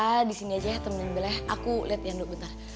udah ah disini aja temenin bella ya aku liat ian dulu bentar